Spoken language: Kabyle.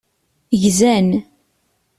Gzan.